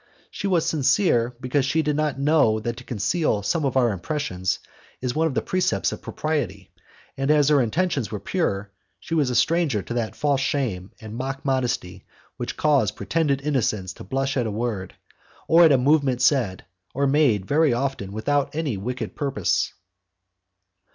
She was sincere, because she did not know that to conceal some of our impressions is one of the precepts of propriety, and as her intentions were pure, she was a stranger to that false shame and mock modesty which cause pretended innocence to blush at a word, or at a movement said or made very often without any wicked purpose.